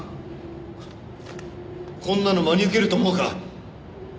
ハッこんなの真に受けると思うか？